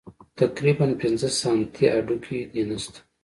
تقريباً پينځه سانتۍ هډوکى دې نشته.